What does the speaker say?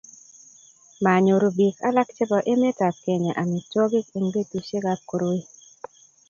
manyoru biik alak chebo emetab Kenya amitwogik eng' betusiekab koroii